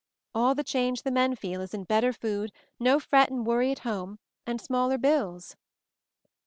All the change the men feel is in better food, no fret and worry at home, and smaller bills."